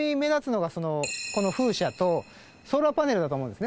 この風車とソーラーパネルだと思うんですね